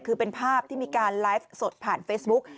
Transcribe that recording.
คือเป็นภาพที่มีการไลฟ์สดผ่านเฟซบุ๊ก